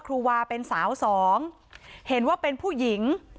ครูวาเป็นสาวสอง